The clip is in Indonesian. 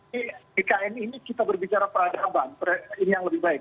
di ikn ini kita berbicara peradaban ini yang lebih baik